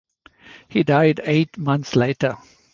He died eight months later.